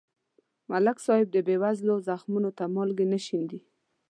ملک صاحب د بېوزلو زخمونو ته مالګې نه شیندي.